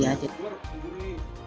yang tidak berhasil